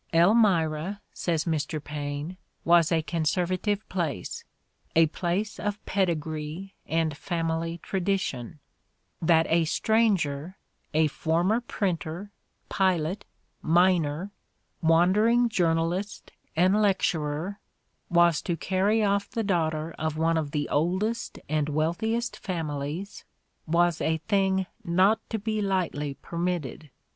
"Elmira," says Mr. Paine, "was a conservative place — a place of pedigree and family tradition ; that a stranger, a former printer, pilot, miner, wandering journalist and lecturer, was to carry off the daughter of one of the oldest and wealthi est families, was a thing not to be lightly permitted.